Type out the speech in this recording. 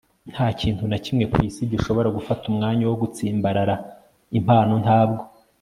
nta kintu na kimwe ku isi gishobora gufata umwanya wo gutsimbarara. impano ntabwo